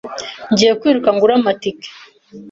Ngiye kwiruka ngura amatike.